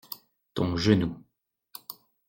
Ton genou.